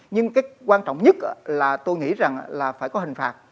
nhưng cái quan trọng nhất là tôi nghĩ rằng là phải có hình phạt